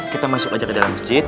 kita masuk aja ke dalam masjid